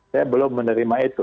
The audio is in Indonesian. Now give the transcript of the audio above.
saya belum menerima itu